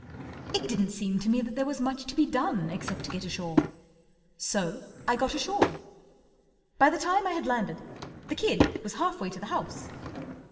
It didn't seem to me that there was much to be done except get ashore, so 1 gut ashore. By the time I had landed, the kid was half way to the house.